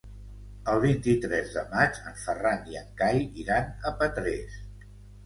El vint-i-tres de maig en Ferran i en Cai iran a Petrés.